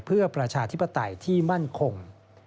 เพื่อประชาธิปไตยที่มั่นคง